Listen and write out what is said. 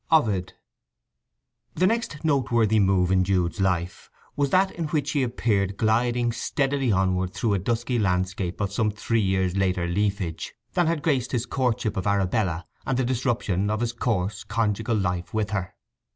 _—OVID. I The next noteworthy move in Jude's life was that in which he appeared gliding steadily onward through a dusky landscape of some three years' later leafage than had graced his courtship of Arabella, and the disruption of his coarse conjugal life with her.